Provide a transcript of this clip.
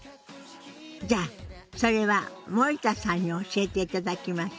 じゃあそれは森田さんに教えていただきましょうね。